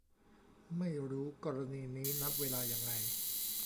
ไม่รู้กรณีนี้นับเวลายังไง